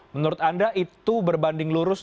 menurut anda itu berbanding lurus